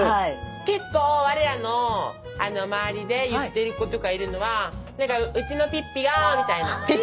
結構我らの周りで言ってる子とかいるのはうちのピッピがみたいな。